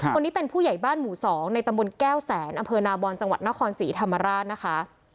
คนนี้เป็นผู้ใหญ่บ้านหมู่๒ในตำบลแก้วแสนอำเภอนาบอนจังหวัดนครศรีธรรมราชนะคะ